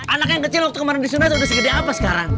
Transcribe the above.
anak yang kecil waktu kemarin di sunat udah segede apa sekarang